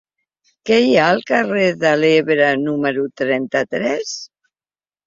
Què hi ha al carrer de l'Ebre número trenta-tres?